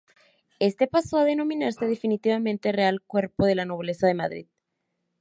Este pasó a denominarse definitivamente Real Cuerpo de la Nobleza de Madrid.